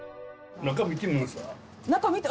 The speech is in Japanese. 中見てみますか？